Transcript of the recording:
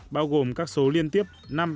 bao gồm các số liên tiếp